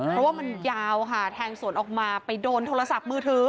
เพราะว่ามันยาวค่ะแทงสวนออกมาไปโดนโทรศัพท์มือถือ